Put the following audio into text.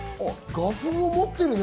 画風も持ってるね。